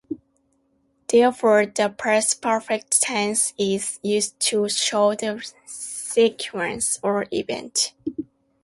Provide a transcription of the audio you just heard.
Therefore, the past perfect tense is used to show the sequence of events.